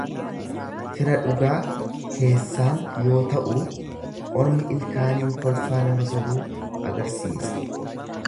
Fira dhugaa keessaan yoo ta'uu, ormi ilkaaniin kolfaa nama sobuu agarsiisa.